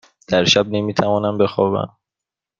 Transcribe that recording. در شب نمی توانم بخوابم.